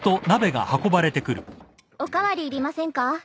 お代わりいりませんか？